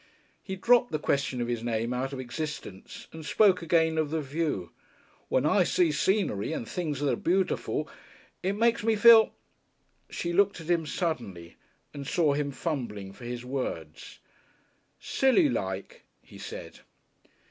He dropped the question of his name out of existence and spoke again of the view. "When I see scenery, and things that are beautiful, it makes me feel " She looked at him suddenly, and saw him fumbling for his words. "Silly like," he said.